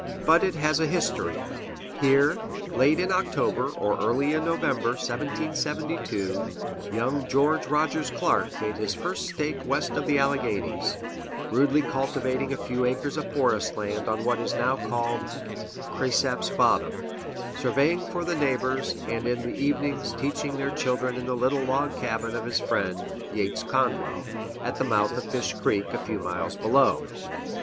But it has a history. Here, late in October or early in November, 1772, young George Rogers Clark made his first stake west of the Alleghanies, rudely cultivating a few acres of forest land on what is now called Cresap's Bottom, surveying for the neighbors, and in the evenings teaching their children in the little log cabin of his friend, Yates Conwell, at the mouth of Fish Creek, a few miles below.